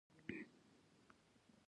د دې پر ځای چې زموږ امنیت تامین کړي.